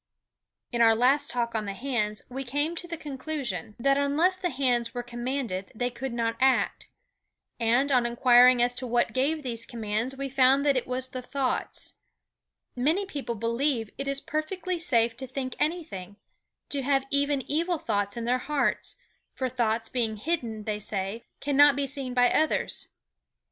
In our last Talk on the Hands we came to the conclusion, that unless the hands were commanded they could not act. And on inquiring as to what gave these commands we found it was the thoughts. Many people believe it is perfectly safe to think anything, to have even evil thoughts in their hearts, for thoughts being hidden, they say, cannot be seen by others.